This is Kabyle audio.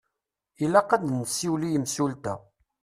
Ilaq ad nessiwel i yimsulta.